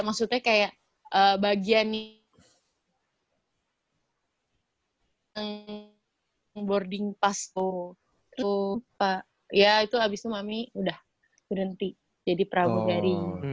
maksudnya kayak bagian boarding pas itu ya itu abis itu mami udah berhenti jadi pramugari